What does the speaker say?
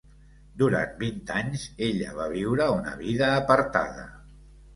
Durant vint anys ella va viure una vida apartada.